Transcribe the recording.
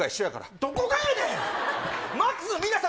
どこがやねん！